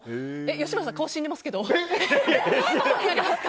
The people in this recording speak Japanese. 吉村さん、顔死んでますけど？